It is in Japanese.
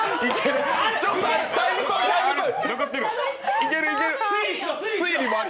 いけるいける！